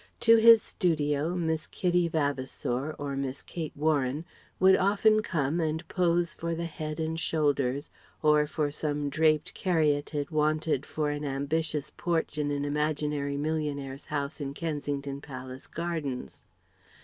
To his studio Miss Kitty Vavasour or Miss Kate Warren would often come and pose for the head and shoulders, or for some draped caryatid wanted for an ambitious porch in an imaginary millionaire's house in Kensington Palace Gardens.